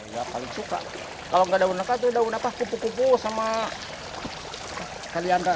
ya paling suka kalau enggak daun nangka itu daun pupu pupu sama kalianra